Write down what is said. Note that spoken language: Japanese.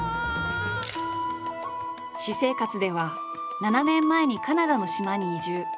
私生活では７年前にカナダの島に移住。